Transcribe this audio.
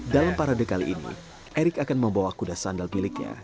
dalam parade kali ini erick akan membawa kuda sandal miliknya